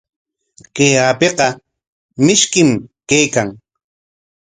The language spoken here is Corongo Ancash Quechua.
Kay apiqa mishkim kaykan.